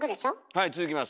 はい続きます。